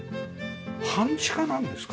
半地下なんですか？